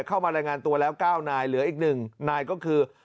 เข้ามารายงานตัวแล้ว๙นายเหลืออีก๑นายก็คือ